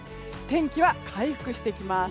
天気は回復してきます。